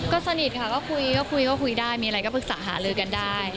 ก็สนิทค่ะก็คุยได้มีอะไรก็ปรึกษาหาลือกันได้